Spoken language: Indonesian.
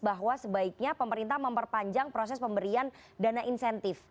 bahwa sebaiknya pemerintah memperpanjang proses pemberian dana insentif